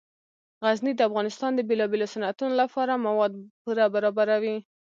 غزني د افغانستان د بیلابیلو صنعتونو لپاره مواد پوره برابروي.